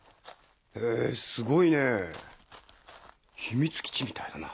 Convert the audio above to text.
へぇすごいね秘密基地みたいだな。